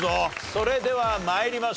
それでは参りましょう。